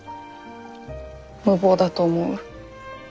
無謀だと思う？